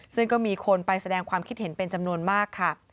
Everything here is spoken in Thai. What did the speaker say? ซึ่งก็มีคนไปแสดงความคิดเห็นเป็นจำนวนมากค่ะ